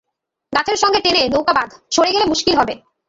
গাছের সঙ্গে টেনে নৌকা বাঁধ, সরে গেলে মুশকিল হবে।